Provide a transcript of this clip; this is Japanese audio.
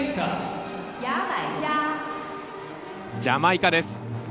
ジャマイカです。